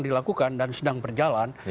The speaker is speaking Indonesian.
dilakukan dan sedang berjalan